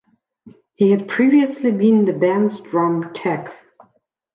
He had previously been the band's drum tech.